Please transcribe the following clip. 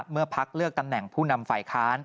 เมื่อพักเลือกตำแหน่งผู้นำฝ่ายค้าน